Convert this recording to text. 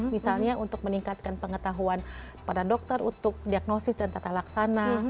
misalnya untuk meningkatkan pengetahuan para dokter untuk diagnosis dan tata laksana